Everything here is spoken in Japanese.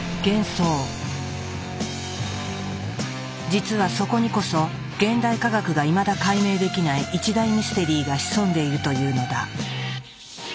実はそこにこそ現代科学がいまだ解明できない一大ミステリーが潜んでいるというのだ。